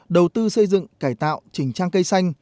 đầu tư xây dựng cải tạo trình trang cây xanh